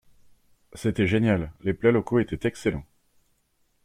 C'était génial, les plats locaux étaient excellents.